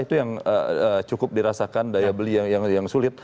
itu yang cukup dirasakan daya beli yang sulit